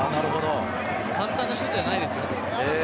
簡単なシュートじゃないですよ。